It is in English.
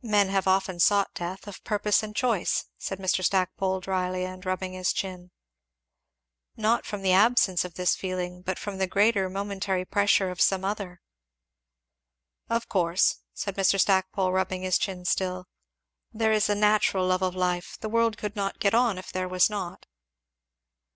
"Men have often sought death, of purpose and choice," said Mr. Stackpole dryly and rubbing his chin. "Not from the absence of this feeling, but from the greater momentary pressure of some other." "Of course," said Mr. Stackpole, rubbing his chin still, there is a natural love of life the world could not get on if there was not."